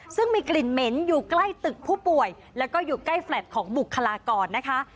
ซึ่งมีกลิ่นเหม็นอยู่ใกล้ตึกผู้ป่วยแล้วก็อยู่ใกล้แฟลต์ของบุคลากรนะคะ